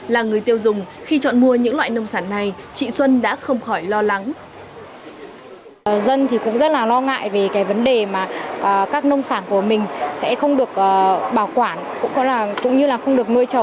là người tiêu dùng khi chọn mua những loại nông sản này chị xuân đã không khỏi lo lắng